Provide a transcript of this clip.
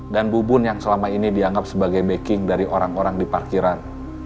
dan bubun yang selama ini dianggap sebagai backing dari orang orang di parkiran